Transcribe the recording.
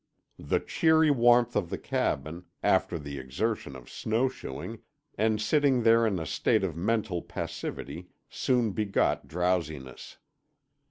The cheery warmth of the cabin, after the exertion of snowshoeing, and sitting there in a state of mental passivity, soon begot drowsiness.